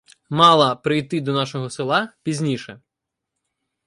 Мала прийти до нашого села пізніше.